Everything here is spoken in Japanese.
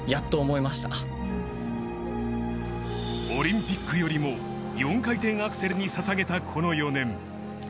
オリンピックよりも４回転アクセルにささげたこの４年。